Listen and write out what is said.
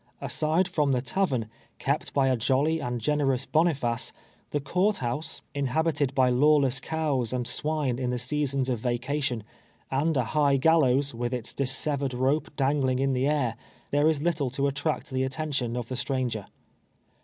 Aside from the tavern, kept hy a jolly and generous boniface, the court house, inhabi ted by lawless cows and swine in the seasons of va cation, and a high gallows, witli its dissevered rope dangling in the air, there is little to attract the at tention of the stranger.